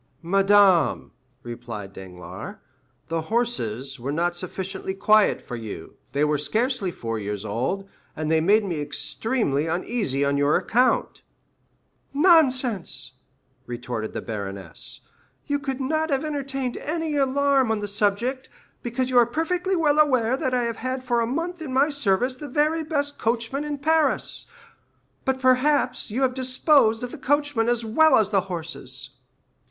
"Madame," replied Danglars, "the horses were not sufficiently quiet for you; they were scarcely four years old, and they made me extremely uneasy on your account." "Nonsense," retorted the baroness; "you could not have entertained any alarm on the subject, because you are perfectly well aware that I have had for a month in my service the very best coachman in Paris. But, perhaps, you have disposed of the coachman as well as the horses?"